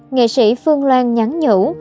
nghệ sĩ phương loan nhắn nhũ